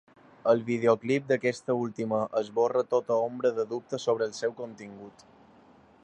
El videoclip d’aquesta última esborra tota ombra de dubte sobre el seu contingut.